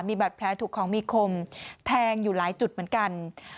มีบาดแผลถูกของมีคมแทงอยู่หลายจุดเหมือนกัน